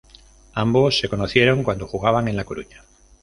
Ambos se conocieron cuando jugaban en La Coruña.